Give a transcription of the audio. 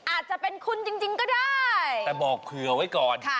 อาจจะเป็นคุณจริงก็ได้แต่บอกเผื่อไว้ก่อน